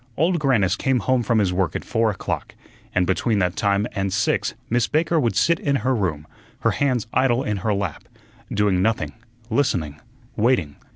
Old Grannis came home from his work at four o'clock, and between that time and six Miss Baker would sit in her room, her hands idle in her lap, doing nothing, listening, waiting.